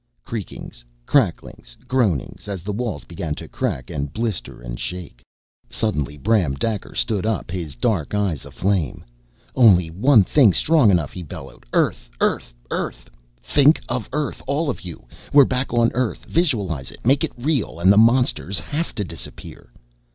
Creakings, cracklings, groanings, as the walls began to crack and blister and shake. Suddenly Bram Daker stood up, his dark eyes aflame. "Only one thing's strong enough!" he bellowed. "Earth! Earth! EARTH! Think of Earth! All of you! We're back on Earth. Visualize it, make it real, and the monsters'll have to disappear."